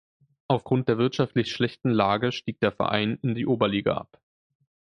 Aufgrund der wirtschaftlich schlechten Lage stieg der Verein in die Oberliga ab.